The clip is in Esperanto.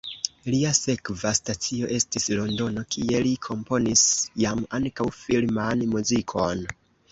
Lia sekva stacio estis Londono, kie li komponis jam ankaŭ filman muzikon.